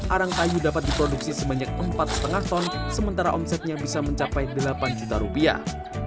arang kayu dapat diproduksi sebanyak empat lima ton sementara omsetnya bisa mencapai delapan juta rupiah